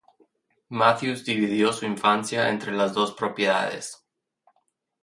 Matthews dividió su infancia entre las dos propiedades.